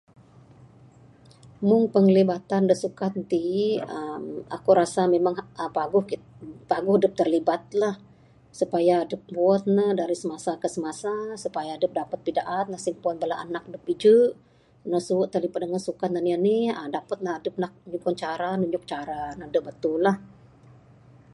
Meng penglibatan da sukan ti uhh aku rasa paguh dep terlibat lah supaya adep puan ne dari semasa ke semasa supaya adep dapat pidaan anak adep ije ne suwe terlibat dangan sukan anih anih dapat nak adep nyugon cara nyap cara ne da batul la.